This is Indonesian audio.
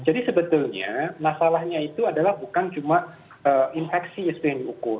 jadi sebetulnya masalahnya itu adalah bukan cuma infeksi yang diukur